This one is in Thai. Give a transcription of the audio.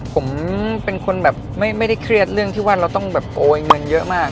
ผมเป็นคนแบบไม่ได้เครียดเรื่องที่ว่าเราต้องแบบโอยเงินเยอะมาก